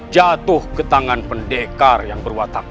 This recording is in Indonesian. jatuh ke tangan pendekar yang berwatak